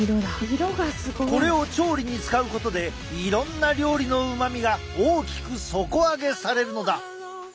これを調理に使うことでいろんな料理のうまみが大きく底上げされるのだ。